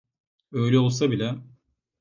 Öyle olsa bile…